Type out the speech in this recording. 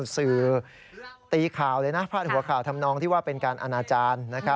ตีข่าวเลยนะพาดหัวข่าวทำนองที่ว่าเป็นการอนาจารย์